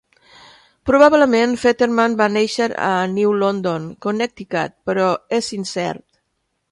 Probablement, Fetterman va néixer a New London, Connecticut, però 'és incert.